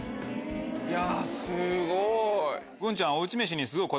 いやすごい。